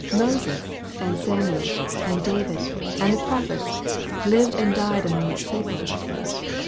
135 Moses, and Samuel, and David, and the prophets, lived and died among its people.